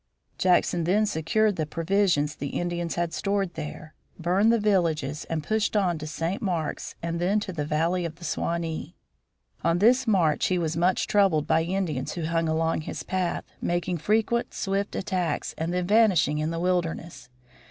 Jackson then secured the provisions the Indians had stored there, burned the villages and pushed on to St. Marks and then to the valley of the Suwanee. On this march he was much troubled by Indians who hung along his path, making frequent swift attacks and then vanishing in the wilderness.